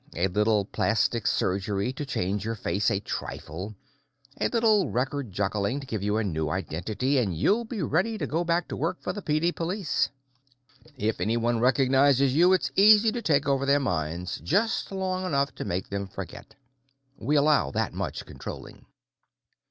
A little plastic surgery to change your face a trifle, a little record juggling to give you a new identity, and you'll be ready to go back to work for the PD Police. "If anyone recognizes you, it's easy to take over their minds just long enough to make them forget. We allow that much Controlling."